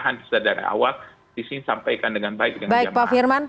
makanya kami menyampaikan arahan dari awal disini sampaikan dengan baik dengan jamaah